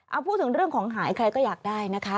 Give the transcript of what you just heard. เอาพูดถึงเรื่องของหายใครก็อยากได้นะคะ